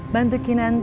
bantu kinanti jadi ngasih